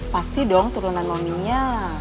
pasti dong turunan maminya